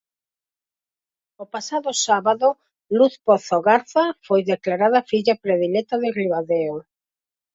O pasado sábado Luz Pozo Garza foi declarada filla predilecta de Ribadeo.